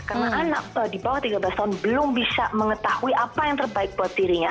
karena anak di bawah tiga belas tahun belum bisa mengetahui apa yang terbaik buat dirinya